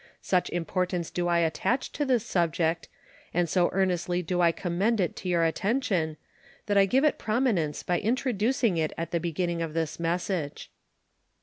Such importance do I attach to this subject, and so earnestly do I commend it to your attention, that I give it prominence by introducing it at the beginning of this message.